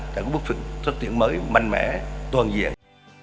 đã có bước phục xuất hiện mới mạnh mẽ toàn diện